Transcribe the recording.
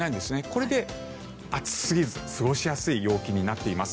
これで暑すぎず、過ごしやすい陽気になっています。